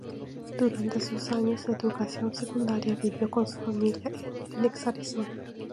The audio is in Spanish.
Durante sus años de educación secundaria vivió con su familia en Phoenix, Arizona.